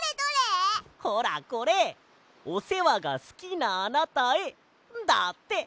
「おせわがすきなあなたへ」だって！